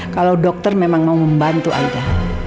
kalau dokter memang mau membantu aida